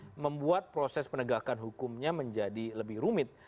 yang membuat proses penegakan hukumnya menjadi lebih rumit